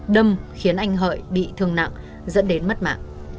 đâm khiến anh hợi bị thương nặng dẫn đến mất mạng